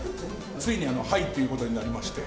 ついに、はいっていうことになりまして。